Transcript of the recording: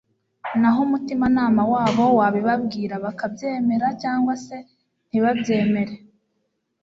Naho umutimanama wabo wabibabwira bakabyemera cyangwa se ntibabyemere,